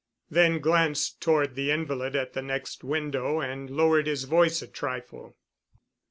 Then glanced toward the invalid at the next window and lowered his voice a trifle.